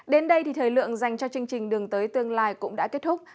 đến đây thì thời lượng dành cho chương trình đường tới tương lai cũng đã kết thúc